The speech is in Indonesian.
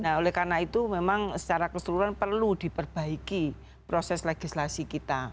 nah oleh karena itu memang secara keseluruhan perlu diperbaiki proses legislasi kita